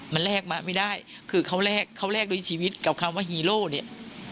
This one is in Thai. มันแลกมาไม่ได้คือเขาแลกด้วยชีวิตกับคำว่าฮีโร่เนี่ย